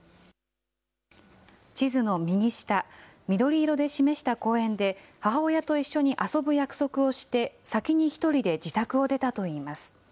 地図の右下、緑色で示した公園で、母親と一緒に遊ぶ約束をして、先に１人で自宅を出たといいます。